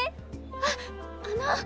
あっあの！